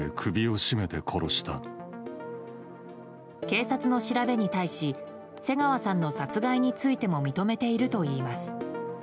警察の調べに対しに瀬川さんの殺害についても認めているといいます。